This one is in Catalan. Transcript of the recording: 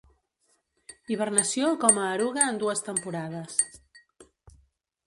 Hibernació com a eruga en dues temporades.